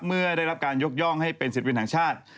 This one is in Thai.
เมื่อได้รับการยกย่องให้เป็นศิลปินแห่งชาติ